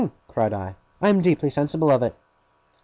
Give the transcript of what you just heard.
cried I. 'I am deeply sensible of it.